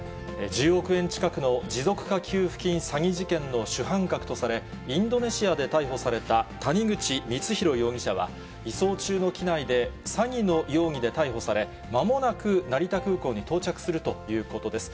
１０億円近くの持続化給付金詐欺事件の主犯格とされ、インドネシアで逮捕された谷口光弘容疑者は、移送中の機内で詐欺の容疑で逮捕され、まもなく成田空港に到着するということです。